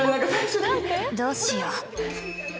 どうしよう。